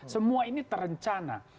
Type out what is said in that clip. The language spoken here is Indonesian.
semua ini terencana